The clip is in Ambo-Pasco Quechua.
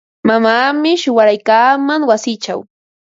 Mamaami shuwaraykaaman wasichaw.